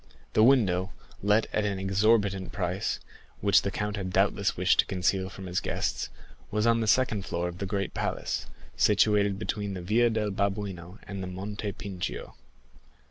The window, let at an exorbitant price, which the count had doubtless wished to conceal from his guests, was on the second floor of the great palace, situated between the Via del Babuino and the Monte Pincio.